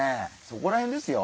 そこら辺ですよ